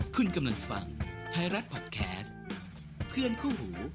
คุณกำลังฟังไทยรัฐพอดแคสต์เพื่อนคู่หู